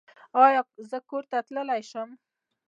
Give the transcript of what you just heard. ایا زه کور ته تللی شم؟